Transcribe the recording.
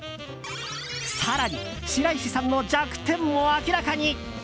更に、白石さんの弱点も明らかに。